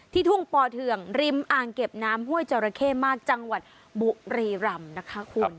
ทุ่งปอเทืองริมอ่างเก็บน้ำห้วยจราเข้มากจังหวัดบุรีรำนะคะคุณ